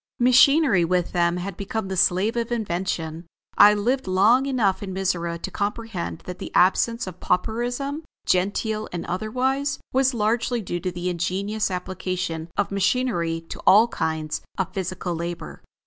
Machinery, with them, had become the slave of invention. I lived long enough in Mizora to comprehend that the absence of pauperism, genteel and otherwise, was largely due to the ingenious application of machinery to all kinds of physical labor.